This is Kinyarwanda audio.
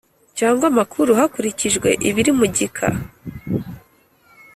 cyangwa amakuru hakurikijwe ibiri mu gika